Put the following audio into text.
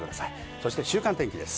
そして週間天気です。